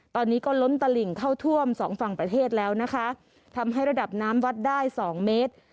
ตอนนี้ก็ล้นตลิ่งเข้าท่วมสองฝั่งประเทศแล้วนะคะทำให้ระดับน้ำวัดได้สองเมตร